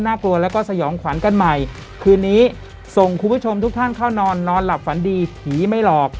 กลัวแล้วก็สยองขวัญกันใหม่คืนนี้ส่งคุณผู้ชมทุกท่านเข้านอนนอนหลับฝันดีผีไม่หลอก